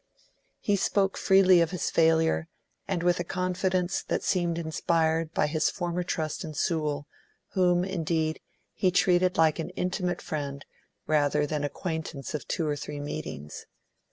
He spoke freely of his failure, and with a confidence that seemed inspired by his former trust in Sewell, whom, indeed, he treated like an intimate friend, rather than an acquaintance of two or three meetings.